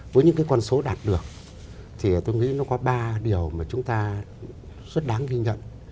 với những cái con số đạt được thì tôi nghĩ nó có ba điều mà chúng ta rất đáng ghi nhận